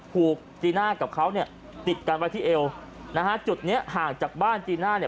จีน่ากับเขาเนี่ยติดกันไว้ที่เอวนะฮะจุดเนี้ยห่างจากบ้านจีน่าเนี่ย